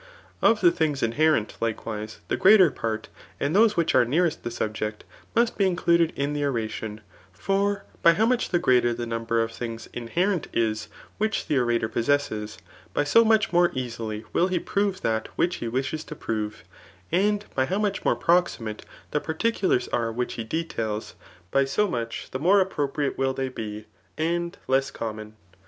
Of the things inherent, likewise^ tfa^e greater part, and those which are nearest the subject, must be included in the oradon } for by how much the greater the number of things inherent is which the orator possesses, by so much more ea^ly will he proi^ that wUch he wishes to p^ove; and by how much more proximate [the pardculais are which he details,] by so nmcfa the more appropriate will they be, and less com mon.